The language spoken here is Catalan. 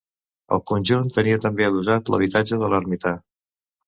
El conjunt tenia també adossat l'habitatge de l'ermità.